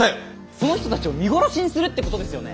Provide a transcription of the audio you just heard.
その人たちを見殺しにするってことですよね。